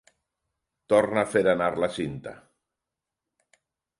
Torna a fer anar la cinta.